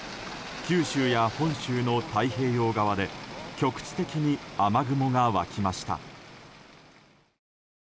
九州や本州の太平洋側で局地的に雨雲が湧きました。